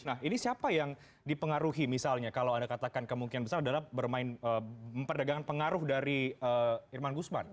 nah ini siapa yang dipengaruhi misalnya kalau anda katakan kemungkinan besar adalah memperdagangkan pengaruh dari irman gusman